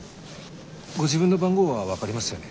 ご自分の番号は分かりますよね？